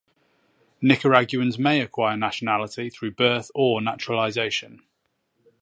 Nicaraguans may acquire nationality through birth or naturalization.